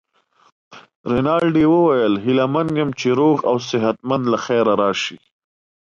رینالډي وویل: هیله من یم چي روغ او صحت مند له خیره راشې.